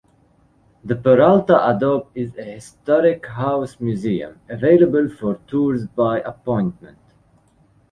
The Peralta Adobe is a historic house museum, available for tours by appointment.